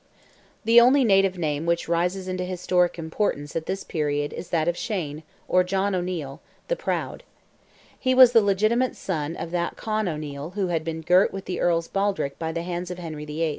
The only native name which rises into historic importance at this period is that of Shane, or John O'Neil, "the Proud." He was the legitimate son of that Con O'Neil who had been girt with the Earl's baldric by the hands of Henry VIII.